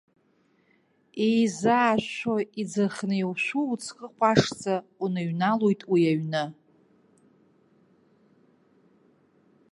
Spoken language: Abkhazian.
Еизаашәшәо иӡахны иушәу уҵкы ҟәашӡа уныҩналоит уи аҩны.